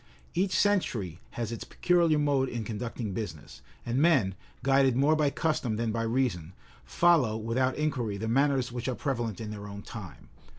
Each century has its peculiar mode in conducting business; and men, guided more by custom than by reason, follow, without inquiry, the manners which are prevalent in their own time.